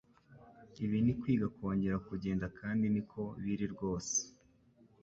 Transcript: Ibi ni kwiga kongera kugenda kandi niko biri rwose